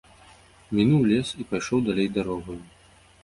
Мінуў лес і пайшоў далей дарогаю.